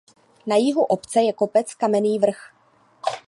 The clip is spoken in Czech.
Na jihu obce je kopec Kamenný vrch.